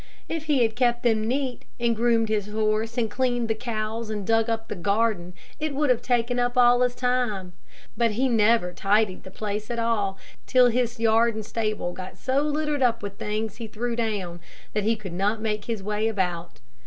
If he had kept them neat, and groomed his horse, and cleaned the cows, and dug up the garden, it would have taken up all his time; but he never tidied the place at all, till his yard and stable got so littered up with things he threw down that he could not make his way about.